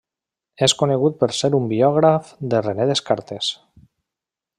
És conegut per ser un biògraf de René Descartes.